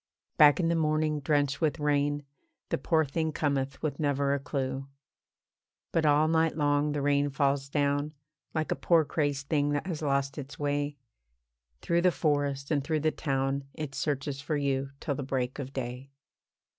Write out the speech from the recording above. Back in the morning, drenched with rain, The poor thing cometh with never a clue. But all night long the rain falls down, Like a poor crazed thing that has lost its way, Through the forest and through the town It searches for you till the break of day.